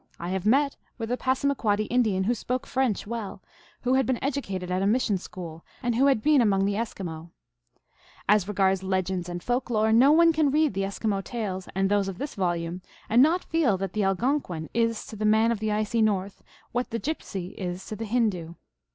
I have met with a Passamaquoddy Indian who spoke French well, who had been educated at a mission school, and who had been among the Eskimo. As regards legends and folk lore, no one can read the Eskimo tales and those of this volume and not feel that the Algonquin is to the man of the icy north what the gypsy is to the Hindoo.